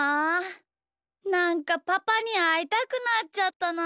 なんかパパにあいたくなっちゃったな。